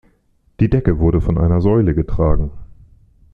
Die Decke wurde von einer Säule getragen.